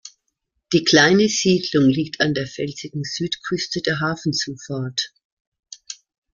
Die kleine Siedlung liegt an der felsigen Südküste der Hafenzufahrt.